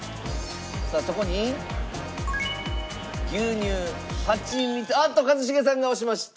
さあそこに牛乳はちみつおっと一茂さんが押しました！